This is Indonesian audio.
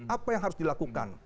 apa yang harus dilakukan